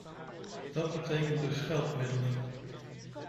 Dat betekent dus geldmiddelen.